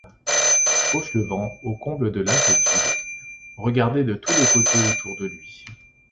Fauchelevent, au comble de l’inquiétude, regardait de tous les côtés autour de lui.